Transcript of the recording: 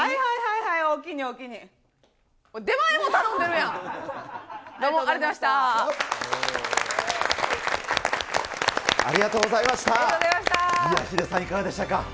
ヒデさん、いかがでしたか？